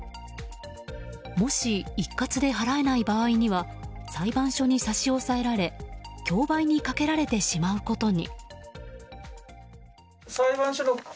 もし、一括で払えない場合には裁判所に差し押さえられ競売にかけられてしまうことに。